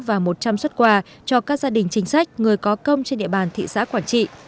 và một trăm linh xuất quà cho các gia đình chính sách người có công trên địa bàn thị xã quảng trị